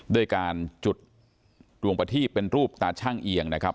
ด้วยการจุดดวงประทีบเป็นรูปตาช่างเอียงนะครับ